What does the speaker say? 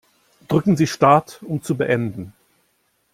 Drücken Sie Start, um zu beenden.